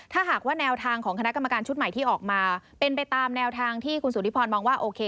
ถ้าหากว่าแนวทางของคณะกรรมการชุดใหม่ที่ออกมาเป็นไปตามแนวทางที่คุณสุธิพรมองว่าโอเค